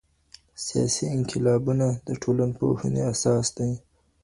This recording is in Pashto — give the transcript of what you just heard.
سیاسي انقلابونه د ټولنپوهنې اساس دي.